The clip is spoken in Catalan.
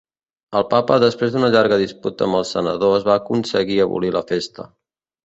El papa després d'una llarga disputa amb els senadors va aconseguir abolir la festa.